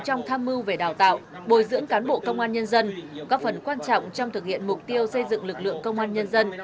trong tham mưu về đào tạo bồi dưỡng cán bộ công an nhân dân góp phần quan trọng trong thực hiện mục tiêu xây dựng lực lượng công an nhân dân